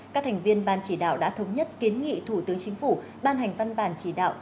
các thành viên ban chỉ đạo đã thống nhất kiến nghị thủ tướng chính phủ ban hành văn bản chỉ đạo